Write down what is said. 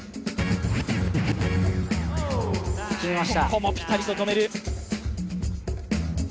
ここもピタリと止める！